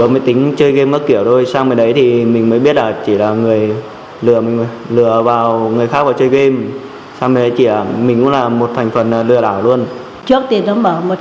mấy tháng sáu này bảo là trăm mốt